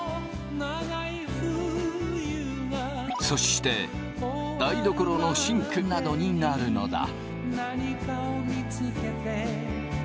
そして台所のシンクなどになるのだ。